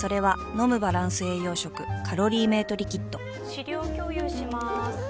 ・資料共有しまーす